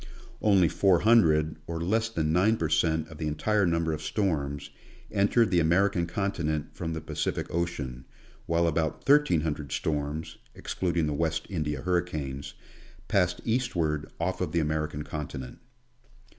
Only four hundred, or less than 9 per cent, of the entire number of storms, entered the American continent from the Pacific ocean, while about thirteen hundred storms, excluding the West India hurricanes, passed eastward off of the American continent.